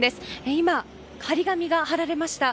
今、張り紙が張られました。